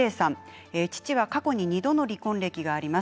父は過去に２度の離婚歴があります。